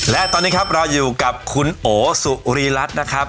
และตอนนี้ครับเราอยู่กับคุณโอสุรีรัฐนะครับ